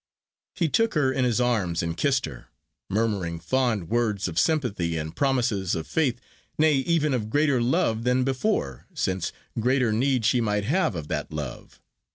He took her in his arms and kissed her; murmuring fond words of sympathy, and promises of faith, nay, even of greater love than before, since greater need she might have of that love.